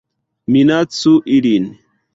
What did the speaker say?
Minacu ilin